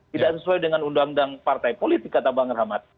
tidak sesuai dengan undang undang partai politik kata bang rahmat